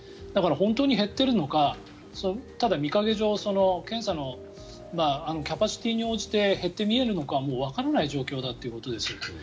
だから本当に減っているのかただ見かけ上検査のキャパシティーに応じて減って見えるのかもうわからない状況だということです。